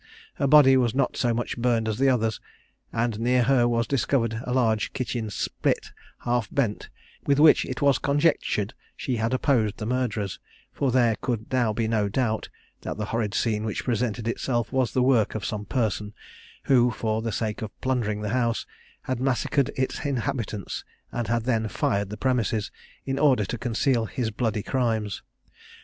Her body was not so much burned as the others; and near her was discovered a large kitchen spit, half bent, with which it was conjectured she had opposed the murderers, for there could now be no doubt that the horrid scene which presented itself was the work of some person who, for the sake of plundering the house, had massacred its inhabitants and had then fired the premises, in order to conceal his bloody crimes.